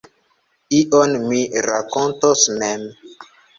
Ion mi rakontos mem.